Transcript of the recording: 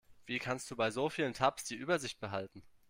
Wie kannst du bei so vielen Tabs die Übersicht behalten?